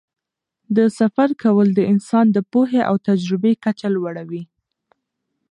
د سفر کول د انسان د پوهې او تجربې کچه لوړوي.